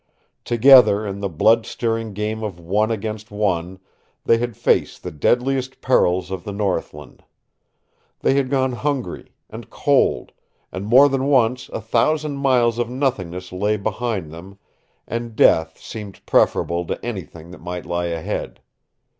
Together in the bloodstirring game of One against One they had faced the deadliest perils of the northland. They had gone hungry, and cold, and more than once a thousand miles of nothingness lay behind them, and death seemed preferable to anything that might lie ahead.